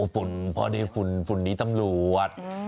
ฝุ่นพอดีฝุ่นนี้ตำรวจ